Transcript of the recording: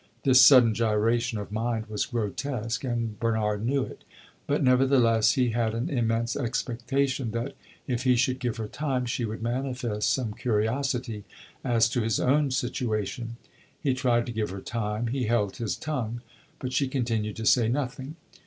This sudden gyration of mind was grotesque, and Bernard knew it; but, nevertheless, he had an immense expectation that, if he should give her time, she would manifest some curiosity as to his own situation. He tried to give her time; he held his tongue; but she continued to say nothing.